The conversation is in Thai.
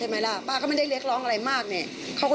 แล้วก็ดูแลแม่ไป